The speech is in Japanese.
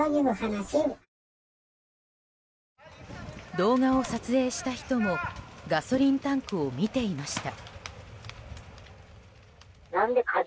動画を撮影した人もガソリンタンクを見ていました。